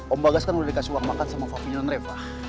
om bagas kan udah dikasih uang makan sama fafi dan reva